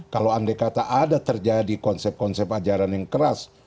kalau andai kata ada terjadi konsep konsep ajaran yang keras